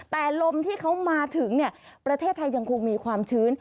แต่ลมที่เขามาถึงประเทศไทยยังคงมีความชื้น